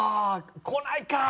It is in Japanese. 来ないか！